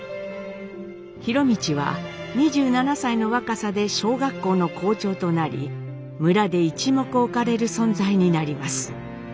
博通は２７歳の若さで小学校の校長となり村で一目置かれる存在になります。